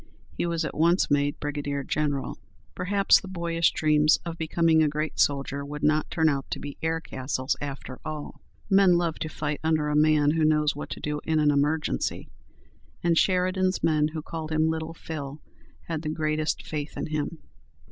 He was at once made brigadier general. Perhaps the boyish dreams of being a great soldier would not turn out to be air castles after all. Men love to fight under a man who knows what to do in an emergency, and Sheridan's men, who called him "Little Phil," had the greatest faith in him.